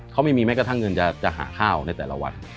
เขาไม่มีแม้กระทั่งเงินจะหาข้าวในแต่ละวัน